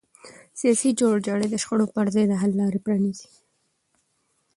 سیاسي جوړجاړی د شخړو پر ځای د حل لاره پرانیزي